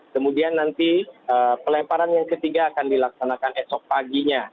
kemudian nanti pelemparan yang ketiga akan dilaksanakan esok paginya